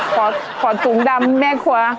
ขอถุงดำแม่ครัว